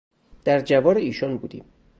در جوار ایشان بودیم